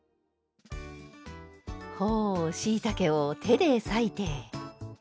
ほうしいたけを手で裂いて。